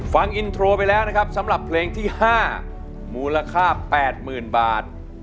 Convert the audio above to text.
ฟังอินโทรไปแล้วนะครับสำหรับเพลงที่๕มูลค่า๘๐๐๐บาท